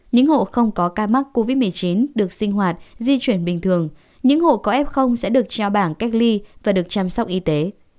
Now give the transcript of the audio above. những hộ không có ca mắc covid một mươi chín được sinh hoạt di chuyển bình thường những hộ có f sẽ được trao bảng cách ly và được chăm sóc y tế